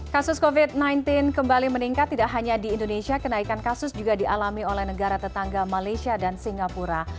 kasus covid sembilan belas kembali meningkat tidak hanya di indonesia kenaikan kasus juga dialami oleh negara tetangga malaysia dan singapura